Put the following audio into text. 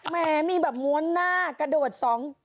แม้มีแบบม้วนหน้ากระโดดสอง